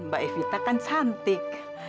mbak evita kan cantik